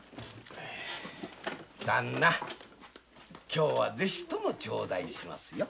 今日は是非ともちょうだいしますよ。